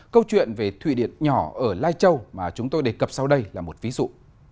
câu chuyện về thủy điện nhỏ ở lai châu mà chúng tôi đề cập sau đây là một ví dụ